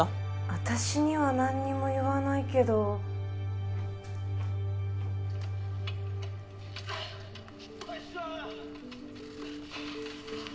私には何にも言わないけどおいっしょ！